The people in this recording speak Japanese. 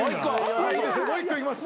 もう１個いきます。